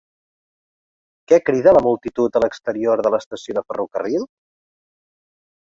Què crida la multitud a l'exterior de l'estació de ferrocarrils?